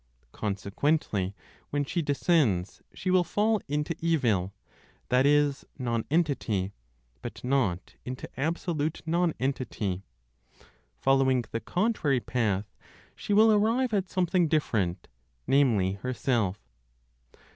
Consequently, when she descends, she will fall into evil, that is, nonentity, but not into absolute nonentity. Following the contrary path, she will arrive at something different, namely, herself.